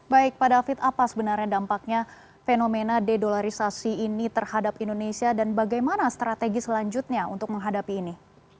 baik pak david apa sebenarnya dampaknya fenomena dedolarisasi ini terhadap indonesia dan bagaimana strategi selanjutnya untuk menghadapi ini